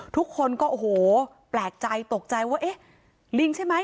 ทุกคนก็โอ้โหแปลกใจตกใจว่าเอ๊ะลิงใช่ไหม